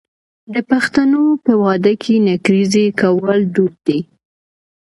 د پښتنو په واده کې نکریزې کول دود دی.